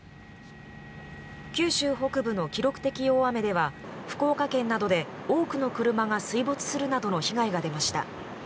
九州北部の記録的大雨では福岡県などで多くの車が水没するなどの被害が出ました。